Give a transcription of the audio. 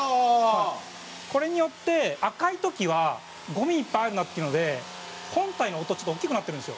これによって、赤い時はゴミいっぱいあるなっていうので本体の音、ちょっと大きくなってるんですよ。